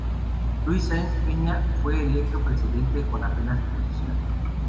Luis Saenz Peña fue electo presidente con apenas oposición.